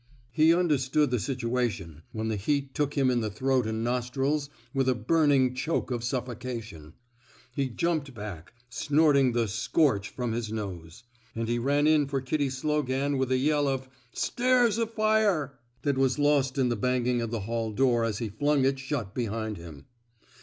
He understood the situation when the heat took him in the throat and nostrils with a burning choke of suffocation. He jumped 108 PEIVATE MORPHY'S ROMANCE back, snorting the scorch '* from his nose; and he ran in for Kitty Slogan with a yell of ^* Stairs afire !*' that was lost in the bang ing of the hall door as he flung it shnt behind him.